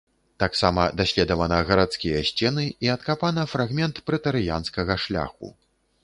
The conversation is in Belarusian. Таксама даследавана гарадскія сцены і адкапана фрагмент прэтарыянскага шляху.